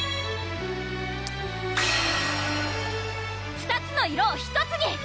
２つの色を１つに！